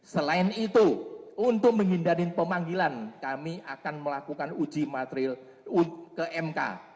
selain itu untuk menghindari pemanggilan kami akan melakukan uji materi ke mk